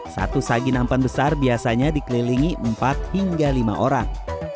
satu sagi nampan besar biasanya dikelilingi empat hingga lima orang